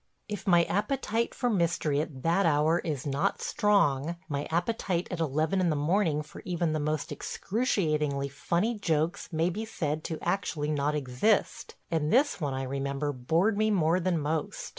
If my appetite for mystery at that hour is not strong, my appetite at eleven in the morning for even the most excruciatingly funny jokes may be said to actually not exist, and this one, I remember, bored me more than most.